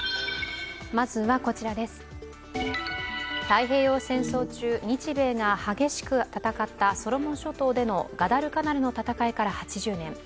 太平洋戦争中、日米が激しく戦ったソロモン諸島でのガダルカナルの戦いから８０年。